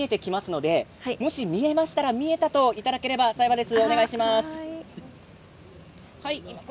佐久間さん何かが見えてきますので見えましたら、見えたと声をいただければ幸いです。